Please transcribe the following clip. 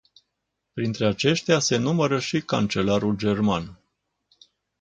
Printre aceștia se numără și cancelarul german.